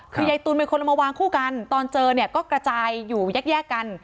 คือยายตูนเป็นคนเอามาวางคู่กันตอนเจอเนี่ยก็กระจายอยู่แยกแยกกัน